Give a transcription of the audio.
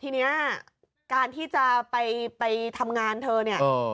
ทีนี้การที่จะไปทำงานเธอเนี่ย